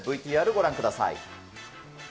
ＶＴＲご覧ください。